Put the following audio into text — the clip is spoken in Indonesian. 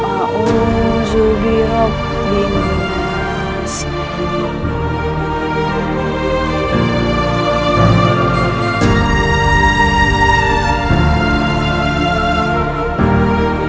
aku berhutang dengan tuhan dari sisi mereka